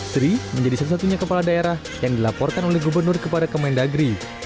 sri menjadi satu satunya kepala daerah yang dilaporkan oleh gubernur kepada kemendagri